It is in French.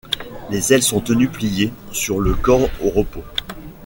Les ailes sont tenues pliées sur le corps au repos.